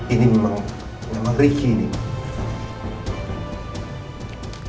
ini memang ricky nih